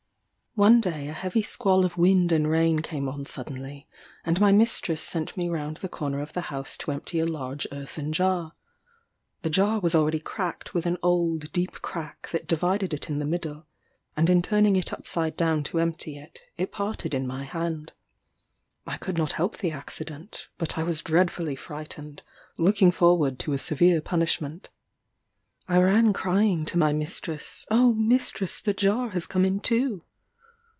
One day a heavy squall of wind and rain came on suddenly, and my mistress sent me round the corner of the house to empty a large earthen jar. The jar was already cracked with an old deep crack that divided it in the middle, and in turning it upside down to empty it, it parted in my hand. I could not help the accident, but I was dreadfully frightened, looking forward to a severe punishment. I ran crying to my mistress, "O mistress, the jar has come in two."